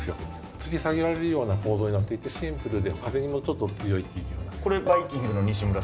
つり下げられるような構造になっていてシンプルで風にもちょっと強いっていうような。